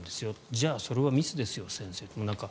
じゃあ、それはミスですよ先生と。